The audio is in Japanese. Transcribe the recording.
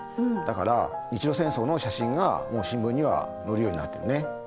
だから日露戦争の写真がもう新聞には載るようになってるね。